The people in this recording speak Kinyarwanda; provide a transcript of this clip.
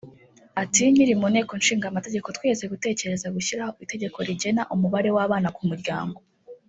Ati “Nkiri mu nteko ishinga amategeko twigeze gutekereza gushyiraho itegeko rigena umubare w’abana ku muryango